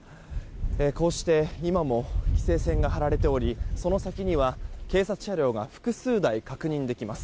こうして今も規制線が張られておりその先には、警察車両が複数台確認できます。